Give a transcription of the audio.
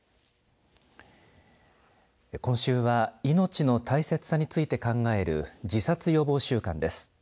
今週は命の大切さについて考える自殺予防週間です。